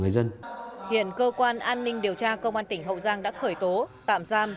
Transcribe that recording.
hiện cơ quan an ninh điều tra công an tỉnh hậu giang đã khởi tố tạm giam